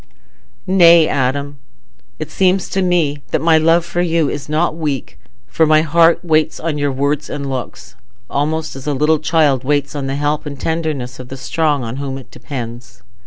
"Nay, Adam. It seems to me that my love for you is not weak, for my heart waits on your words and looks, almost as a little child waits on the help and tenderness of the strong on whom it depends.